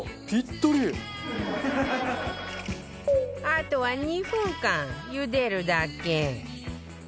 あとは２分間茹でるだけ